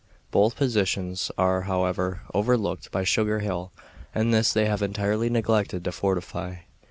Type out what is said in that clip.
Both positions are, however, overlooked by Sugar Hill, and this they have entirely neglected to fortify.